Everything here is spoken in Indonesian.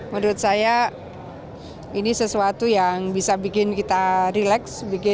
menurut saya ini sesuatu yang bisa bikin kita relax